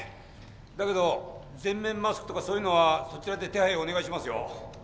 だけど全面マスクとかそういうのはそちらで手配お願いしますよ。